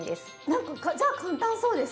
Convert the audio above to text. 何かじゃあ簡単そうです